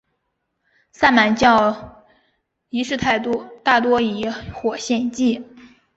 萨满教仪式大多会以火献祭。